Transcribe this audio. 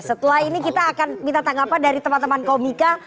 setelah ini kita akan minta tanggapan dari teman teman komika